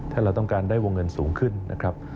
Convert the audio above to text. ถ้าเราต้องการได้วงเงินสูงขึ้นนะครับ